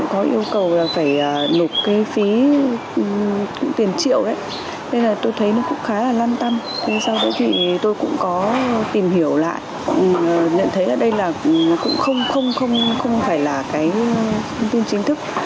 không phải là cái thông tin chính thức